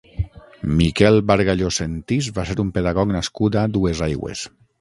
Miquel Bargalló Sentís va ser un pedagog nascut a Duesaigües.